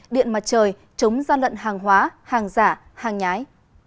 điện mặt trời chống gian lận hàng hóa hàng giả hàng nhái